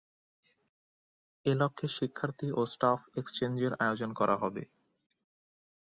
এ লক্ষ্যে শিক্ষার্থী ও স্টাফ এক্সচেঞ্জের আয়োজন করা হবে।